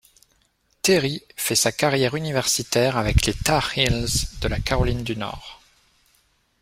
Terry fait sa carrière universitaire avec les Tar Heels de la Caroline du Nord.